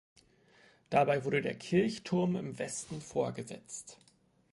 Dabei wurde der Kirchturm im Westen vorgesetzt.